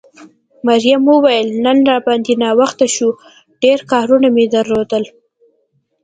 مريم وویل نن را باندې ناوخته شو، ډېر کارونه مې درلودل.